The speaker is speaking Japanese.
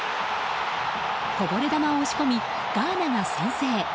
こぼれ球を押し込みガーナが先制。